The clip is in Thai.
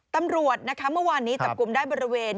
ตำรวจนะคะเมื่อวานนี้จับกลุ่มได้บริเวณ